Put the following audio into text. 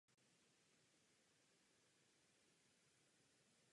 Podílel se na propagaci maďarské literatury v Československu a v České republice.